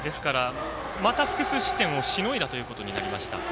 また複数失点をしのいだということになりました。